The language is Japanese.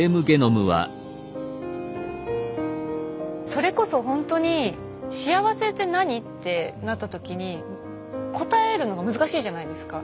それこそほんとに「幸せって何？」ってなった時に答えるのが難しいじゃないですか。